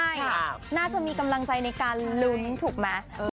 เอาเป็นว่าน่าจะลุ้นได้น่าจะมีกำลังใจในการลุ้นถูกไหม